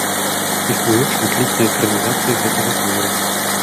Існуюць шматлікія экранізацыі гэтага твора.